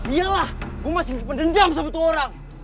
iyalah gue masih pendendam sama satu orang